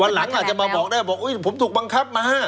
วันหลังอาจจะมาบอกแน่บอกอุ๊ยผมถูกบังคับมา